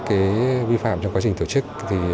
thì đối với các vi phạm trong quá trình tổ chức